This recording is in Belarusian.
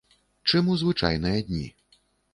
Чым у звычайныя дні.